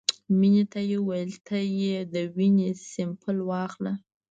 مينې ته يې وويل ته يې د وينې سېمپل واخله.